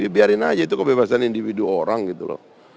biarin aja itu kebebasan individu orang gitu loh